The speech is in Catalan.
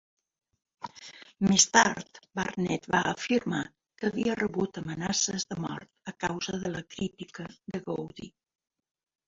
Més tard, Barnett va afirmar que havia rebut amenaces de mort a causa de la crítica de Gowdy.